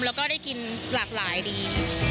แล้วก็ได้กินหลากหลายดี